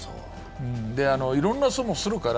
いろんな相撲をするから。